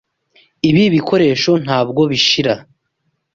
Ibi bikoresho ntabwo bishira.